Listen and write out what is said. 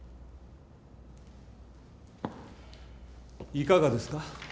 いかがですか？